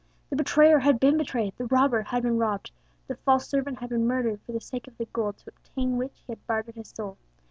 The betrayer had been betrayed, the robber had been robbed, the false servant had been murdered for the sake of the gold to obtain which he had bartered his soul.